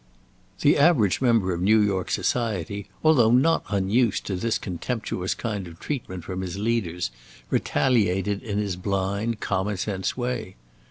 The average member of New York society, although not unused to this contemptuous kind of treatment from his leaders, retaliated in his blind, common sense way.